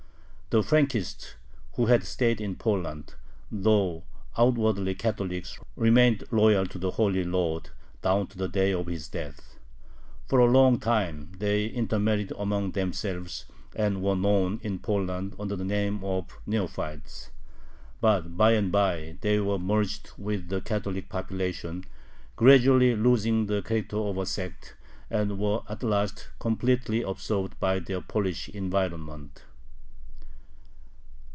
The Frankists who had stayed in Poland, though outwardly Catholics, remained loyal to the "Holy Lord" down to the day of his death. For a long time they intermarried among themselves, and were known in Poland under the name of "Neophytes." But by and by they were merged with the Catholic population, gradually losing the character of a sect, and were at last completely absorbed by their Polish environment.